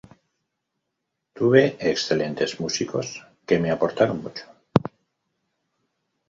Tuve excelentes músicos, que me aportaron mucho.